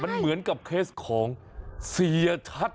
เหมือนเกษของเสียชัด